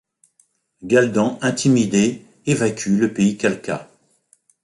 Galdan intimidé évacue le pays Khalkha.